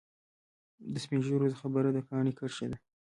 د سپین ږیرو خبره د کاڼي کرښه ده.